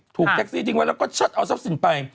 แท็กซี่ทิ้งไว้แล้วก็เชิดเอาทรัพย์สินไป